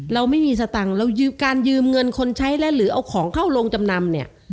เราไม่มีสตังค์เรายืมการยืมเงินคนใช้และหรือเอาของเข้าโรงจำนำเนี่ย